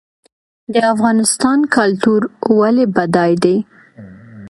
د افغانستان کلتور ولې بډای دی؟